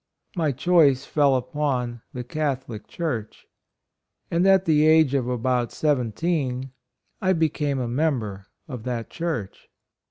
My choice fell upon the Catholic Church, and at the age of about seventeen, I became a member of that Church."